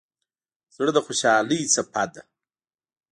زړه د خوشحالۍ څپه ده.